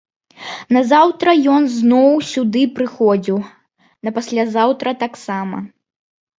Назаўтра ён зноў сюды прыходзіў, напаслязаўтра таксама.